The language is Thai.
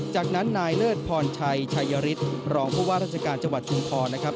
จากนั้นนายเลิศพรชัยชัยฤทธิ์รองผู้ว่าราชการจังหวัดชุมพรนะครับ